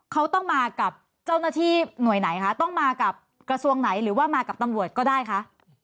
เขาต้องมากับเจ้าหน้าที่หน่วยไหนคะต้องมากับกระทรวงไหนหรือว่ามากับตำรวจก็ได้คะ